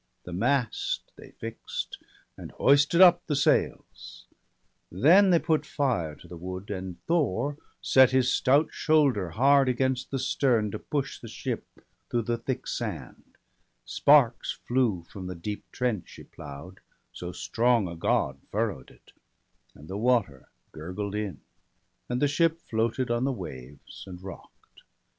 The mast they fixt, and hoisted up the sails, Then they put fire to the wood ; and Thor Set his stout shoulder hard against the stern To push the ship through the thick sand; — sparks flew From the deep trench she plough'd, so strong a God Furrow'd it; and the water gurgled in. And the ship floated on the waves, and rock'd.